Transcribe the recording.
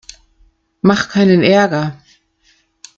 Mach keinen Ärger!